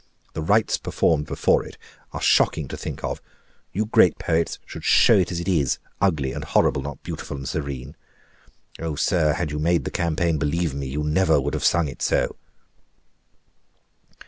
The rites performed before it are shocking to think of. You great poets should show it as it is ugly and horrible, not beautiful and serene. Oh, sir, had you made the campaign, believe me, you never would have sung it so."